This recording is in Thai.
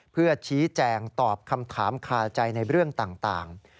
เพื่อชี้แจงตอบคำถามคาใจในเรื่องต่าง